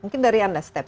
mungkin dari anda steps